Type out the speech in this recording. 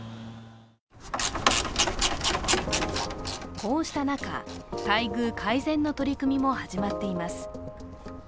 こうした中、待遇改善の取り組みも始まっています。